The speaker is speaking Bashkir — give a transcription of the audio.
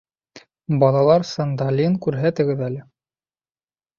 Балалар сандалийын күрһәтегеҙ әле.